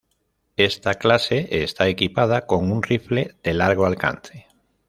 Esta clase está equipada con un rifle de largo alcance.